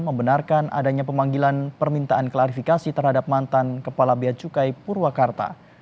membenarkan adanya pemanggilan permintaan klarifikasi terhadap mantan kepala beacukai purwakarta